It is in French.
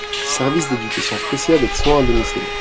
service d'éducation spéciale et de soins à domicile.